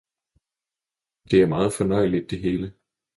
det er meget fornøjeligt det hele.